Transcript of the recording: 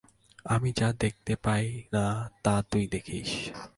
আমি যা দেখতে পাই না তা তুই দেখিস।